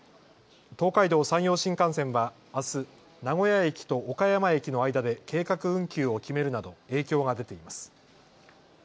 東海道・山陽新幹線はあす名古屋駅と岡山駅の間で計画運休を決めるなど影響が出ています。